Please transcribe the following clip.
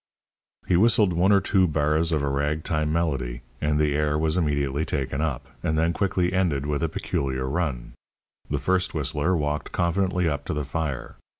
He whistled one or two bars of a rag time melody, and the air was immediately taken up, and then quickly ended with a peculiar run. The first whistler walked confidently up to the fire.